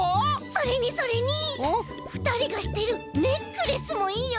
それにそれにふたりがしてるネックレスもいいよね。